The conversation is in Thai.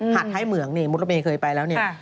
หาดท้ายเหมืองมุตตเมย์เคยไปแล้วเนี่ย